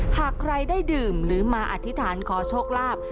หากใครได้ดื่มหรือมาอธิษฐานขอโชคลาภ